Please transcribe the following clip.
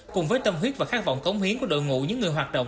cùng với tâm huyết và khát vọng cống hiến của đội ngũ những người hoạt động